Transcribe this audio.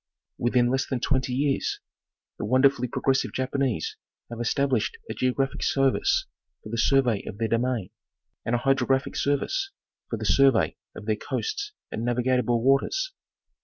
Within less than twenty years, the wonderfully progressive Jap anese have established a geographic service for the survey of their domain, and a hydrographic service for the survey of their coasts and navigable waters.